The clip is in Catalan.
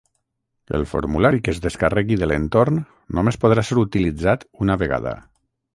El formulari que es descarregui de l'entorn només podrà ser utilitzat una vegada.